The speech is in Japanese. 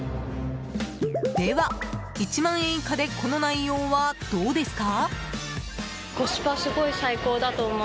では、１万円以下でこの内容はどうですか？